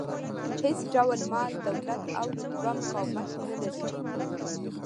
هېڅ ډول مال، دولت او رتبه مقاومت نه لري.